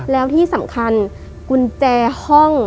แล้วที่สำคัญกุญแจห้อง